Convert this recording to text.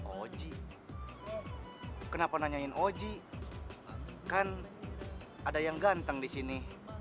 oji kenapa nanyain oji kan ada yang ganteng disini